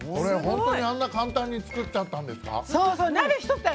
本当にあんな簡単に作っちゃったんですか？